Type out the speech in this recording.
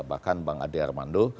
bahkan bang ade armando